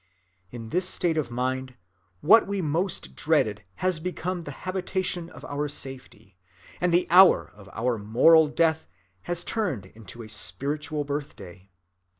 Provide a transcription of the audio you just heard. In this state of mind, what we most dreaded has become the habitation of our safety, and the hour of our moral death has turned into our spiritual birthday.